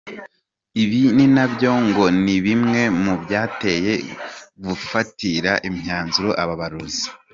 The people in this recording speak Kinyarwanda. Ibi na byo ngo ni bimwe mu byabateye gufatira imyanzuro aba borozi.